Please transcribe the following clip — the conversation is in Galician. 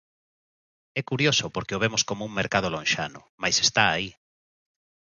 É curioso porque o vemos como un mercado lonxano, mais está aí.